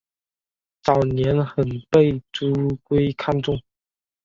早年很被朱圭看重。